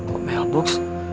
kamu di mailbox